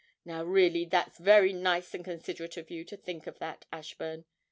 'Now, really, that's very nice and considerate of you to think of that, Ashburn.